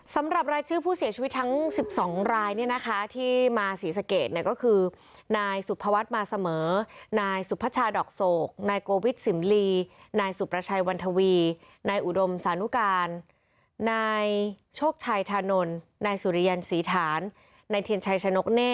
สำหรับรายชื่อผู้เสียชีวิตทั้ง๑๒รายเนี่ยนะคะที่มาสีสะเกดก็คือ